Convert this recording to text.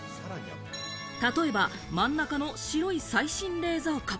例えば、真ん中の白い最新冷蔵庫。